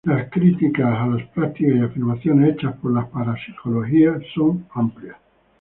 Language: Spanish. Las críticas a las prácticas y afirmaciones hechas por la parapsicología son amplias.